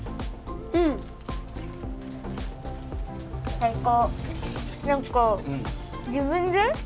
最高。